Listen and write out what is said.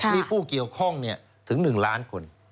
มีผู้เกี่ยวข้องถึง๑ล้านคน